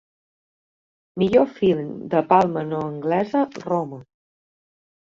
Millor film de parla no anglesa: ‘Roma’